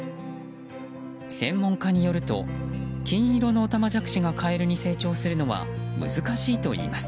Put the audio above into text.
専門家によると金色のオタマジャクシがカエルに成長するのは難しいといいます。